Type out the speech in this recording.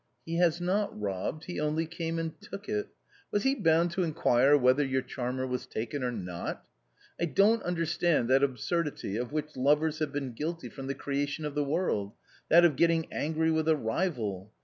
" He has not robbed ; he only came and took it. Was he bound to inquire whether your charmer was taken or not ? I don't understand that absurdity of which lovers have been guilty from the creation of the world — that of getting angry with a rival.